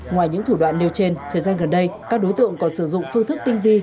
ngoài những thủ đoạn nêu trên thời gian gần đây các đối tượng còn sử dụng phương thức tinh vi